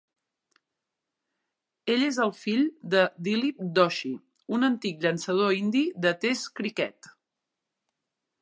Ell és el fill de Dilip Doshi, un antic llançador indi de test criquet.